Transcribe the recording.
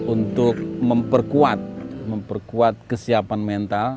untuk memperkuat kesiapan mental